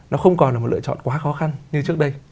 nó không còn là một lựa chọn quá khó khăn như trước đây